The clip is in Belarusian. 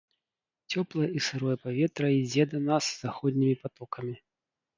Цёплае і сырое паветра ідзе да нас з заходнімі патокамі.